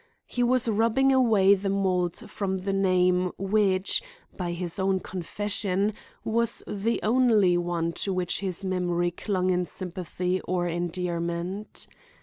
He was rubbing away the mold from the name which, by his own confession, was the only one to which his memory clung in sympathy or endearment.